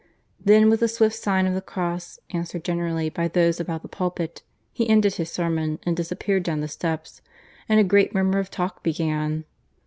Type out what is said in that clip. Then with a swift sign of the cross, answered generally by those about the pulpit, he ended his sermon and disappeared down the steps, and a great murmur of talk began.